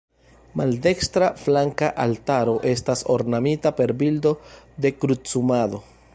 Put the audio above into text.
Maldekstra flanka altaro estas ornamita per bildo de Krucumado.